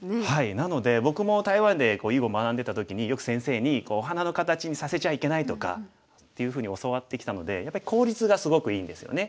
なので僕も台湾で囲碁学んでた時によく先生に「お花のかたちにさせちゃいけない」とかっていうふうに教わってきたのでやっぱり効率がすごくいいんですよね。